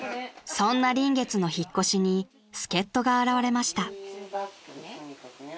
［そんな臨月の引っ越しに助っ人が現れました］